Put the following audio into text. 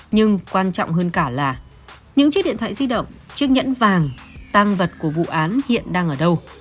nhưng quan trọng hơn cả là những chiếc điện thoại di động chiếc nhẫn vàng tăng vật của vụ án hiện đang ở đâu